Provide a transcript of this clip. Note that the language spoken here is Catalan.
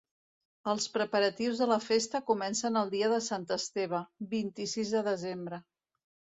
Els preparatius de la Festa comencen el dia de Sant Esteve, vint-i-sis de desembre.